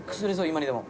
今にでも。